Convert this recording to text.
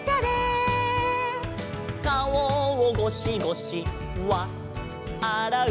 「かおをごしごしわっあらう」「」